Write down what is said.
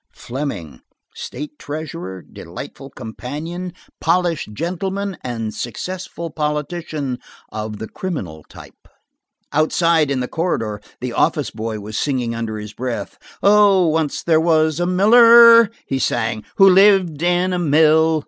Fleming, state treasurer, delightful companion, polished gentleman and successful politician of the criminal type. Outside in the corridor the office boy was singing under his breath. "Oh once there was a miller," he sang, "who lived in a mill."